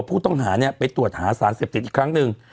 ผู้ต้องหาเนี่ยไปตรวจหาสารเสพติดอีกครั้งหนึ่ง